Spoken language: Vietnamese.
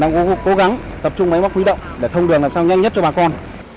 cố gắng tập trung máy móc huy động để thông đường làm sao nhanh nhất cho bà con